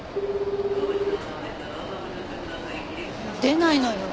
出ないのよ。